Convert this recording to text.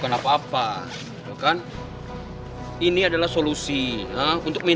mengapa tuh homme